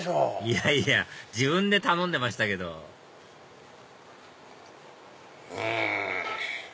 いやいや自分で頼んでましたけどうん！